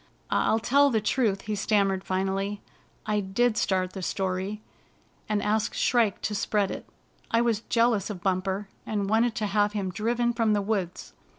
" I'll tell the truth," he stammered finally. " I did start the story, and ask Shrike to spread it. I was jealous of Bumper, and wanted to have him driven from the woods.